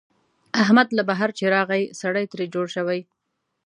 احمد له بهر چې راغی، سړی ترې جوړ شوی.